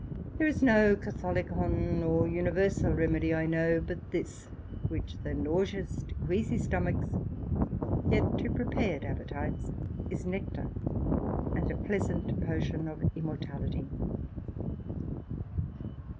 There is no Catholicon or universal remedy I know but this, which, though nauseous to queasie stomachs, yet to prepared appetites is Nectar, and a pleasant potion of immortality.